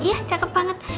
iya cakep banget